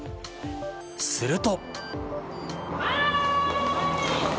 すると。